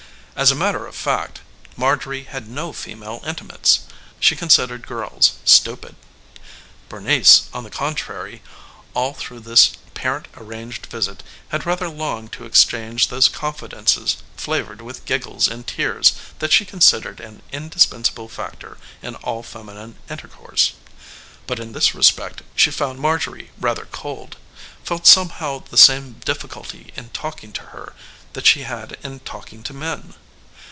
As a matter of fact Marjorie had no female intimates she considered girls stupid. Bernice on the contrary all through this parent arranged visit had rather longed to exchange those confidences flavored with giggles and tears that she considered an indispensable factor in all feminine intercourse. But in this respect she found Marjorie rather cold; felt somehow the same difficulty in talking to her that she had in talking to men.